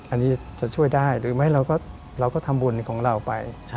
อันนี้จะช่วยได้หรือไม่เราก็ทำบุญของเราไป